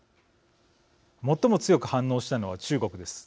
最も強く反応したのは中国です。